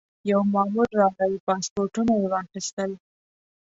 یو مامور راغی پاسپورټونه یې واخیستل.